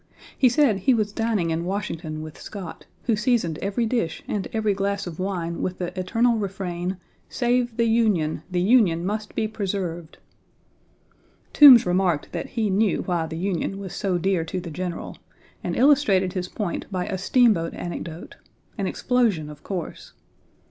He said he was dining in Washington with Scott, who seasoned every dish and every glass of wine with the eternal refrain, "Save the Union; the Union must be preserved." Toombs remarked that he knew why the Union was so dear to the General, and illustrated his point by a steamboat anecdote, an explosion, of course.